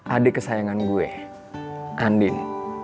adik kesayangan gue andin